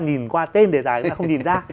nhìn qua tên đề tài người ta không nhìn ra